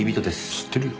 知ってるよ。